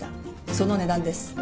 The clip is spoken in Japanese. その値段です。